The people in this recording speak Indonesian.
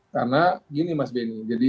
karena gini mas benny